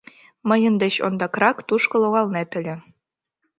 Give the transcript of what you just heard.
Мыйын деч ондакрак тушко логалнет ыле.